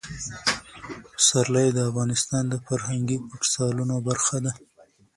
پسرلی د افغانستان د فرهنګي فستیوالونو برخه ده.